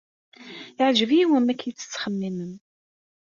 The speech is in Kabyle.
Yeɛjeb-iyi wamek ay tettxemmimem.